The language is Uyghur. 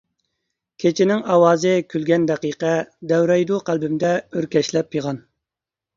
كېچىنىڭ ئاۋازى كۈلگەن دەقىقە، دەۋرەيدۇ قەلبىمدە ئۆركەشلەپ پىغان.